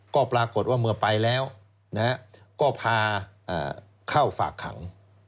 ก็ปรากฏว่าเมื่อไปแล้วก็พาเข้าฝากขัง